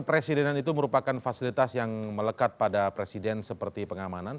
kepresidenan itu merupakan fasilitas yang melekat pada presiden seperti pengamanan